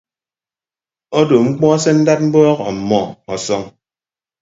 Odo mkpọ se ndad mbọọk ọmmọ ọsọñ.